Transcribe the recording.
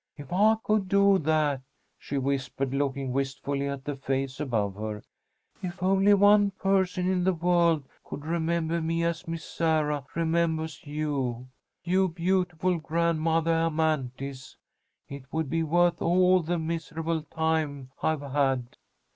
If I could do that," she whispered, looking wistfully at the face above her, "if only one person in the world could remembah me as Miss Sarah remembahs you, you beautiful Grandmothah Amanthis, it would be worth all the misahable time I have had."